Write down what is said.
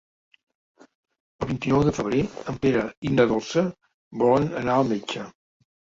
El vint-i-nou de febrer en Pere i na Dolça volen anar al metge.